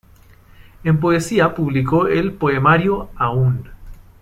En poesía publicó el poemario "Aún".